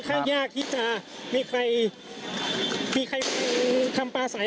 คุณภูริพัฒน์บุญนิน